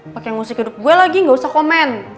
pakai musik gue lagi gak usah komen